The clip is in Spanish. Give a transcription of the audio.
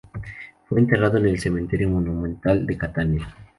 Fue enterrado en el Cementerio Monumental de Catania.